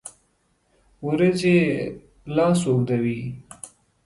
اوریځې لاس اوږدوي